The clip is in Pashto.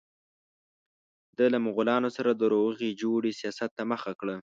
ده له مغولانو سره د روغې جوړې سیاست ته مخه کړه.